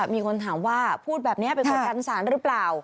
มีคนถามว่าพูดแบบนี้ไปกดดันสารหรือเปล่า